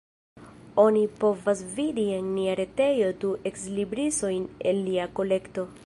Oni povas vidi en nia retejo du ekslibrisojn el lia kolekto.